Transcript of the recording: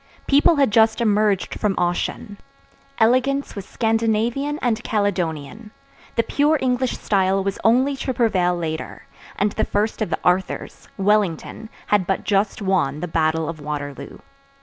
_ People had just emerged from Ossian; elegance was Scandinavian and Caledonian; the pure English style was only to prevail later, and the first of the Arthurs, Wellington, had but just won the battle of Waterloo.